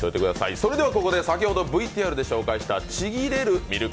それではここで先ほどＶＴＲで紹介したちぎれるミルク